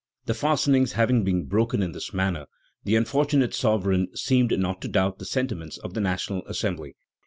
The fastenings having been broken in this manner, the unfortunate sovereign seemed not to doubt the sentiments of the National Assembly.